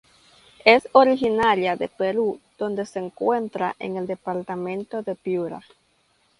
Es originaria de Perú donde se encuentra en el Departamento de Piura.